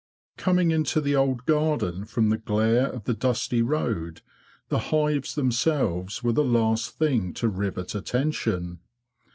Coming into the old garden from the glare of the dusty road, the hives themselves were the last thing to rivet attention.